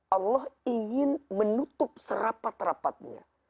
allah ingin menutup serapat rapatnya